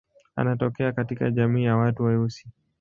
Anatokea katika jamii ya watu weusi.